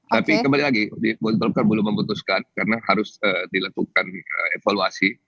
tapi kembali lagi golkar belum memutuskan karena harus dilakukan evaluasi